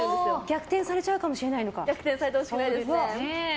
逆転されちゃうかもしれないのか。